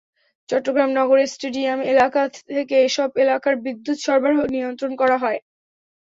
চট্টগ্রাম নগরের স্টেডিয়াম এলাকা থেকে এসব এলাকার বিদ্যুত্ সরবরাহ নিয়ন্ত্রণ করা হয়।